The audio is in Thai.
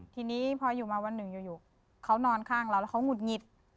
ทีนี้พออยู่มาวันหนึ่งอยู่เขานอนข้างเราแล้วเขาหุดหงิด